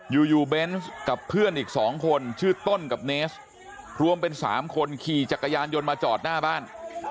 อยู่เบนส์กับเพื่อนอีก๒คนชื่อต้นกับเนสรวมเป็น๓คนขี่จักรยานยนต์มาจอดหน้าบ้าน